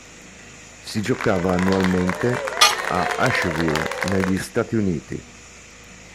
Si giocava annualmente a Asheville negli Stati Uniti.